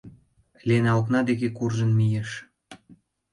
Лена окна деке куржын мийыш.